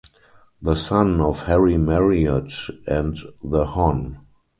The son of Harry Marriott and The Hon.